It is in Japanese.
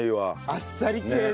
あっさり系で。